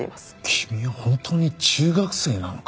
君は本当に中学生なのか？